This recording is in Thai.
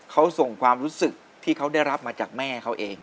เขาส่งความรู้สึกที่เขาได้รับมาจากแม่เขาเอง